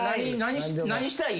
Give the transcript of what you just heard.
何したい？